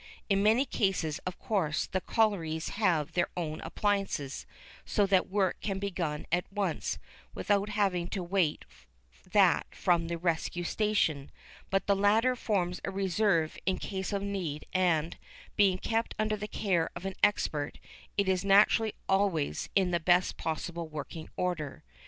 In many cases, of course, the collieries have their own appliances, so that work can be begun at once, without having to wait for that from the rescue station, but the latter forms a reserve in case of need, and, being kept under the care of an expert, it is naturally always in the best possible working order.